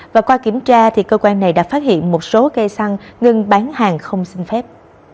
và qua kiểm tra cơ quan này đã phát hiện một số cây xăng ngừng bán hàng không xin phép